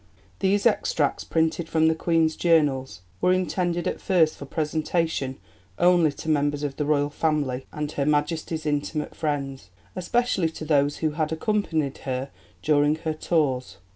These extracts, printed from the Queen's Journals, were intended at first for presentation only to members of the Royal Family and Her Majesty's intimate friends, especially to those who had accompanied her during her tours.